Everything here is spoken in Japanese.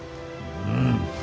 うん。